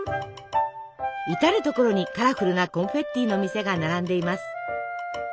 至る所にカラフルなコンフェッティの店が並んでいます。